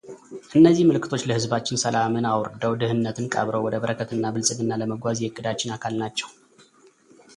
እነዚህ ምልክቶች ለሕዝባችን ሰላምን አውርደው ድህነትን ቀብረው ወደ በረከትና ብልፅግና ለመጓዝ የዕቅዳችን አካል ናቸው።